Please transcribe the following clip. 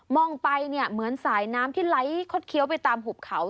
ไปเนี่ยเหมือนสายน้ำที่ไหลคดเคี้ยวไปตามหุบเขา